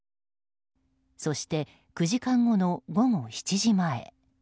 そして、９時間後の午後７時前。